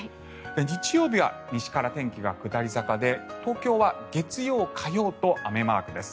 日曜日は西から天気が下り坂で東京は月曜、火曜と雨マークです。